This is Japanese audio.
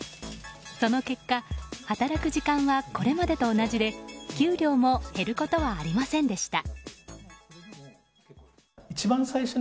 その結果、働く時間はこれまでと同じで給料も減ることはありませんでした。